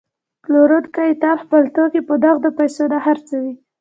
پلورونکی تل خپل توکي په نغدو پیسو نه خرڅوي